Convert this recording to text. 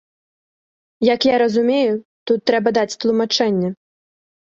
Як я разумею, тут трэба даць тлумачэнне.